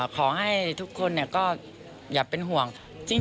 ขอให้ทุกคนก็อย่าเป็นห่วง